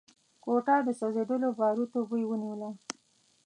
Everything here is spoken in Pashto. کوټه د سوځېدلو باروتو بوی ونيوله.